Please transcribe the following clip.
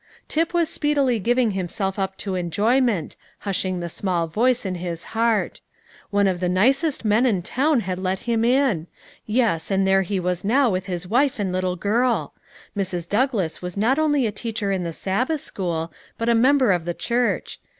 Tip was speedily giving himself up to enjoyment, hushing the small voice in his heart. One of the nicest men in town had let him in; yes, and there he was now with his wife and little girl; Mrs. Douglas was not only a teacher in the Sabbath school, but a member of the church.